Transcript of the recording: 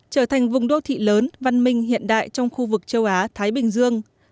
trở thành vùng đô thị lớn văn minh hiện đại trong khu vực châu á thái bình dương